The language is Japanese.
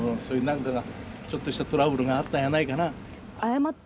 ちょっとしたトラブルがあったんやないかな。